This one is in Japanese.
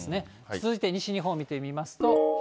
続いて西日本を見てみますと。